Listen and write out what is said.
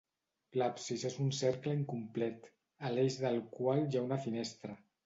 L'absis és un cercle incomplet, a l'eix del qual hi ha una finestra.